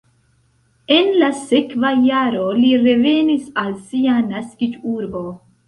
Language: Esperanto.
En la sekva jaro li revenis al sia naskiĝurbo.